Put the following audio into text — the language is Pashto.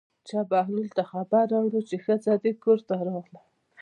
چا بهلول ته خبر راوړ چې ښځه دې کور ته راغله.